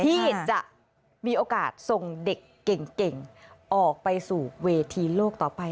ที่จะมีโอกาสส่งเด็กเก่งออกไปสู่เวทีโลกต่อไป